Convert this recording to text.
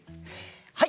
はい！